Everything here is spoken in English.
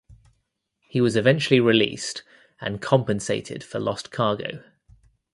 He was eventually released and compensated for lost cargo.